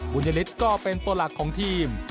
ยฤทธิ์ก็เป็นตัวหลักของทีม